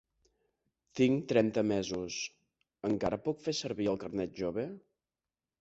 Tinc trenta mesos. Encara puc fer servir el carnet jove?